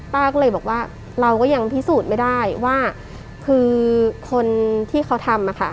ป้าก็เลยบอกว่าเราก็ยังพิสูจน์ไม่ได้ว่าคือคนที่เขาทำอะค่ะ